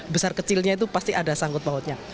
besar kecilnya itu pasti ada sangkut pautnya